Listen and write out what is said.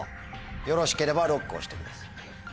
よろしければＬＯＣＫを押してください。